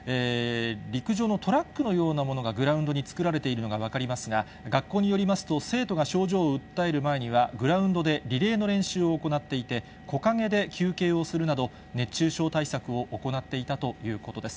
陸上のトラックのようなものがグラウンドに作られているのが分かりますが、学校によりますと、生徒が症状を訴える前には、グラウンドでリレーの練習を行っていて、木陰で休憩をするなど、熱中症対策を行っていたということです。